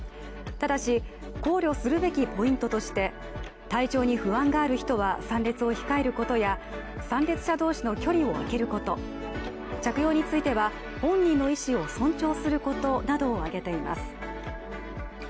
ただし考慮するべきポイントとして体調に不安がある人は参列を控えることや参列者同士の距離をあけること、着用については、本人の意思を尊重することなどを挙げています。